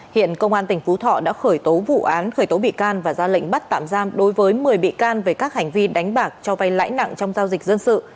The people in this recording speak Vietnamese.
hiện công an tỉnh phú thọ đã khởi tố vụ án khởi tố bị can và ra lệnh bắt tạm giam đối với một mươi bị can về các hành vi đánh bạc cho vay lãi nặng trong giao dịch dân sự